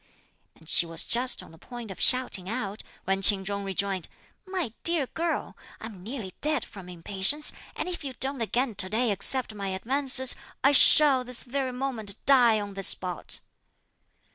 and she was just on the point of shouting out, when Ch'in Chung rejoined: "My dear girl! I'm nearly dead from impatience, and if you don't again to day accept my advances, I shall this very moment die on this spot."